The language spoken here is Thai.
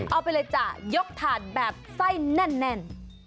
เอาไปเลยจ้ะยกถาดแบบไส้แน่น